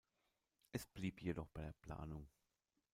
Es blieb jedoch bei der Planung.